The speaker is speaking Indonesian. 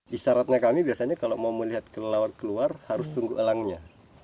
isyaratnya kami biasanya kalau mau melihat kelelawar keluar harus tunggu elangnya